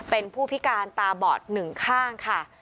เป็นผู้พิการตาบอดหนึ่งข้างค่ะ